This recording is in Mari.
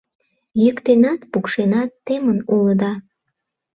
Йӱктенат-пукшенат темын улыда